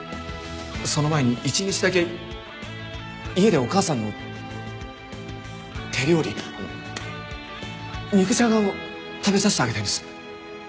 その前に一日だけ家でお母さんの手料理あの肉じゃがを食べさせてあげたいんです。